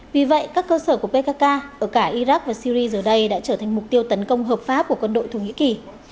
vì vậy các cơ sở của pkk ở cả iraq và syri giờ đây đã trở thành mục tiêu tấn công hợp pháp của quân đội thổ nhĩ kỳ